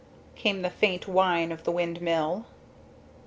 came the faint whine of the windmill.